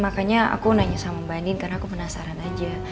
makanya aku nanya sama andin karena aku penasaran aja